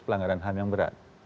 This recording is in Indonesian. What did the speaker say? pelanggaran ham yang berat